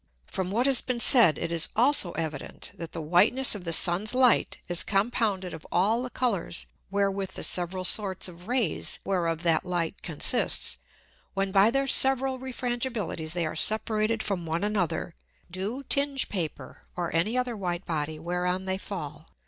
From what has been said it is also evident, that the Whiteness of the Sun's Light is compounded of all the Colours wherewith the several sorts of Rays whereof that Light consists, when by their several Refrangibilities they are separated from one another, do tinge Paper or any other white Body whereon they fall.